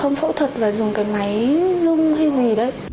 giờ dùng cái máy zoom hay gì đấy